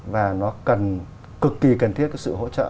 và nó cần cực kỳ cần thiết cái sự hỗ trợ